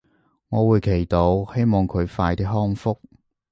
我會祈禱希望佢快啲康復